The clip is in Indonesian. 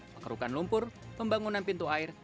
mengerukan lumpur pembangunan pintu air